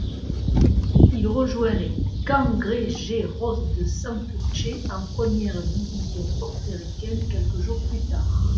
Il rejoint les Cangrejeros de Santurce en première division portoricaine quelques jours plus tard.